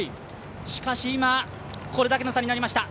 しかし今、これだけの差になりました。